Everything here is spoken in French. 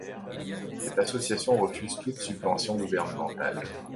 Cette association refuse toute subvention gouvernementale.